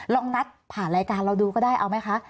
ลองนัดผ่านรายการเราดูก็ได้เอาไหมคะ